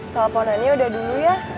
teleponannya udah dulu ya